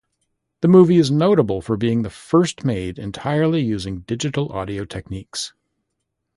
The movie is notable for being the first made entirely using digital audio techniques.